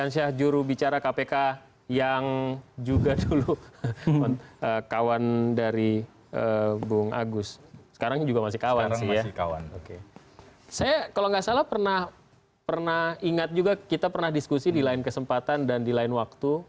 saya kalau nggak salah pernah ingat juga kita pernah diskusi di lain kesempatan dan di lain waktu